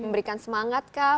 memberikan semangat kah